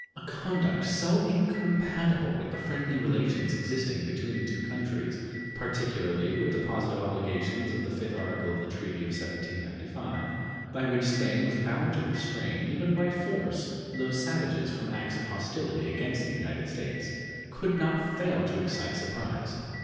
A conduct so incompatible with the friendly relations existing between the two countries, particularly with the positive obligations of the 5th article of the treaty of 1795, by which Spain was bound to restrain, even by force, those savages from acts of hostility against the United States, could not fail to excite surprise.